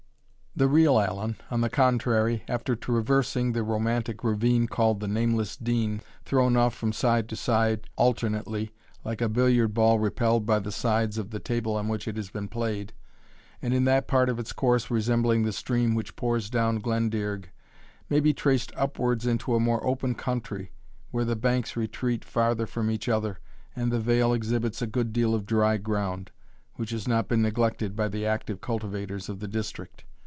The real Allen, on the contrary, after traversing the romantic ravine called the Nameless Dean, thrown off from side to side alternately, like a billiard ball repelled by the sides of the table on which it has been played, and in that part of its course resembling the stream which pours down Glendearg, may be traced upwards into a more open country, where the banks retreat farther from each other, and the vale exhibits a good deal of dry ground, which has not been neglected by the active cultivators of the district.